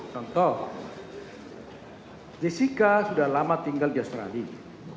contoh jessica sudah lama tinggal di australia